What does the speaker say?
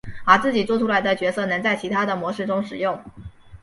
而自己作出来的角色能在其他的模式中使用。